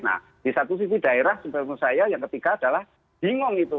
nah di satu sisi daerah menurut saya yang ketiga adalah bingung itu